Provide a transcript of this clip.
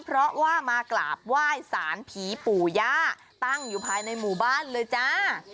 เพราะว่ามากราบไหว้สารผีปู่ย่าตั้งอยู่ภายในหมู่บ้านเลยจ้า